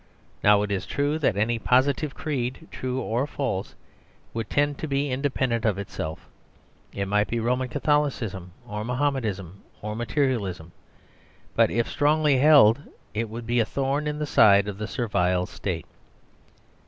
Now, it is true that any positive creed, true or false, would tend to be independent of itself. It might be Roman Catholicism or Mahomedanism or Materialism; but, if strongly held, it would be a thorn in the side of the Servile State.